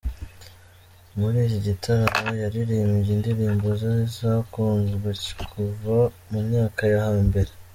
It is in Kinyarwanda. Muri iki gitaramo yaririmbye indirimbo ze zakunzwe kuva mu myaka yo hambere